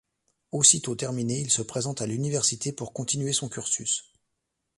Aussi tôt terminé, il se présente à l'Université pour continuer son cursus.